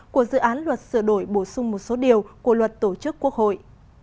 của dự án luật sửa đổi bổ sung một số điều của luật tổ chức quốc hội